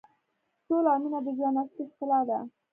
سوله او مینه د ژوند اصلي ښکلا ده.